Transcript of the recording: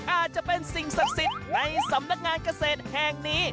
อาจจะเป็นสิ่งศักดิ์สิทธิ์ในสำนักงานเกษตรแห่งนี้